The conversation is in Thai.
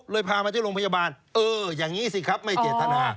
พามาที่โรงพยาบาลเอออย่างนี้สิครับไม่เจตนา